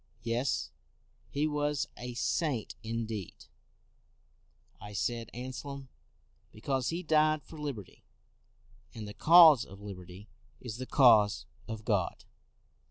" Yes, he was a saint indeed,' 1 said Anselm, " because he died for liberty; and the cause of liberty is the cause of God.